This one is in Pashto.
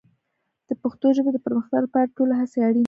د پښتو ژبې د پرمختګ لپاره ټولې هڅې اړین دي.